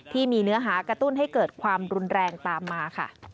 ที่มีเนื้อหากระตุ้นให้เกิดความรุนแรงตามมาค่ะ